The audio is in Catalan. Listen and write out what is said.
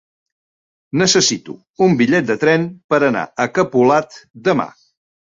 Necessito un bitllet de tren per anar a Capolat demà.